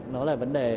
nó là vấn đề